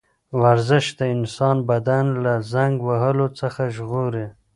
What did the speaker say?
ورزش د انسان بدن له زنګ وهلو څخه ژغوري.